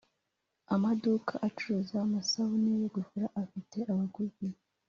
Amaduka acuruza amasabune yo gufura afite abaguzi